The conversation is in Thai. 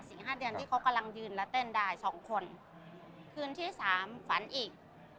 ห้าเดือนที่เขากำลังยืนและเต้นได้สองคนคืนที่สามฝันอีก